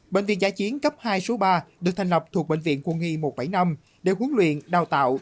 bệnh viện giã chiến cấp hai số ba được thành lập thuộc bệnh viện quân y một trăm bảy mươi năm để huấn luyện đào tạo